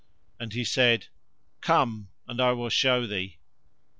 And he said "Come, and I will show thee."